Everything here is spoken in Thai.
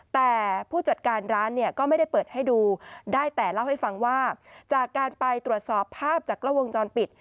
แต่ผู้จัดการร้านเนี่ยก็ไม่ได้เปิดให้ดูได้แต่เล่าให้ฟังว่าจากการไปตรวจสอบภาพจากกล้องวงจรปิด